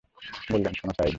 বললেন, শোন সাঈদ!